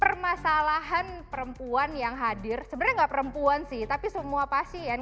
permasalahan perempuan yang hadir sebenarnya enggak perempuan sih tapi semua pasien